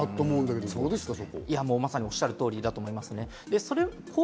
まさにおっしゃる通りだと思いますね。